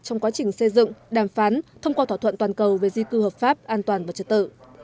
trong quá trình xây dựng đàm phán thông qua thỏa thuận toàn cầu về di cư hợp pháp an toàn và trật tự